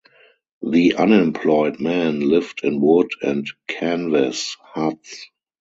The unemployed men lived in wood and canvas huts.